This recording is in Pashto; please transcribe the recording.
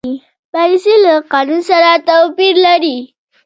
پالیسي له قانون سره توپیر لري.